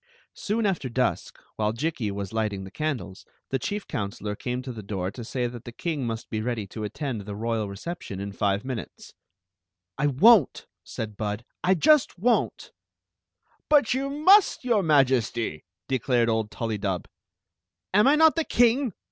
Soon after dusk, while Jikki was lighting the can dles, the chief counselor came to the door to say that Story of the Magic Cloak 97 the king must be ready to attend the royal reception in five minutes. " I wonV 3aid Bud. " I just won't." " But you must, your Majesty!" declared old Tul lydub. "Am I not the king?"